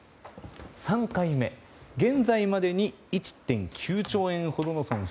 ３回目、現在までに１．９兆円ほどの損失。